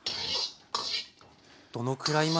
どのくらいまで？